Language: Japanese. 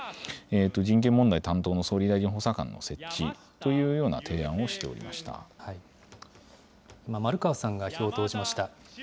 人権問題担当の総理大臣補佐官の設置というような提案をしており今、丸川さんが票を投じました。